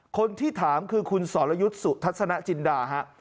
คนที่ถามคือคุณสรยุทธ์สุทัศนจินดาฮะ